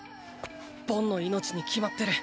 ボンの命に決まってる。